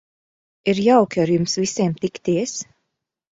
Ir jauki ar jums visiem tikties.